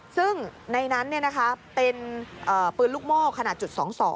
ซึ่งในนั้นเป็นปืนลูกโม่ขนาดจุด๒๒